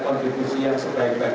untuk kita terus berkembang